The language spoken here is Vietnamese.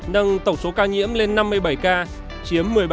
nâng tổng số ca nhiễm lên năm mươi bảy ca chiếm một mươi bảy